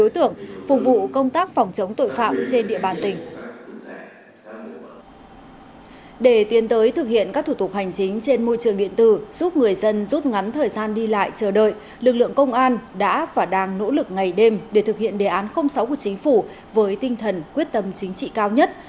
trong những thời gian đi lại chờ đợi lực lượng công an đã và đang nỗ lực ngày đêm để thực hiện đề án sáu của chính phủ với tinh thần quyết tâm chính trị cao nhất